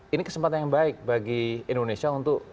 ini kesempatan yang baik bagi indonesia untuk